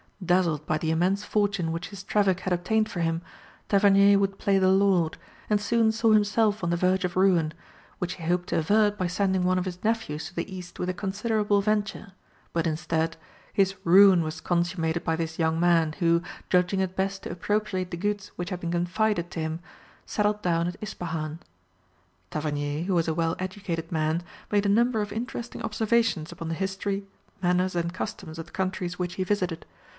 Dazzled by the immense fortune which his traffic had obtained for him, Tavernier would play the lord, and soon saw himself on the verge of ruin, which he hoped to avert by sending one of his nephews to the east with a considerable venture, but instead, his ruin was consummated by this young man, who, judging it best to appropriate the goods which had been confided to him, settled down at Ispahan. Tavernier, who was a well educated man, made a number of interesting observations upon the history, manners and customs, of the countries which he visited.